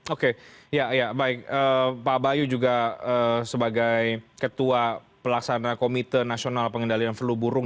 oke ya baik pak bayu juga sebagai ketua pelaksana komite nasional pengendalian flu burung